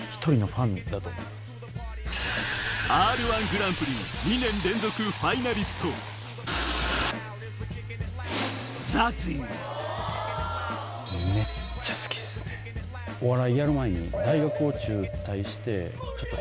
『Ｒ−１グランプリ』２年連続ファイナリストお笑いやる前に。